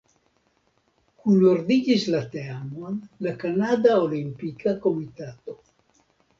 Kunordigis la teamon la Kanada Olimpika Komitato.